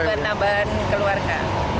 buat nambah keluarga